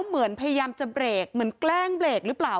เหมือนพยายามจะเบรกเหมือนแกล้งเบรกหรือเปล่า